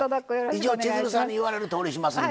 一応千鶴さんに言われるとおりしますんで。